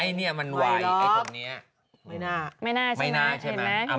ไอ้เนี่ยมันไหว